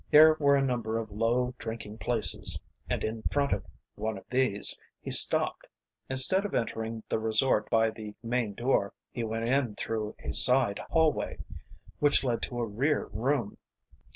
Here were a number of low drinking places, and in front of one of these he stopped. Instead of entering the resort by the main door he went in through a side hallway, which led to a rear room.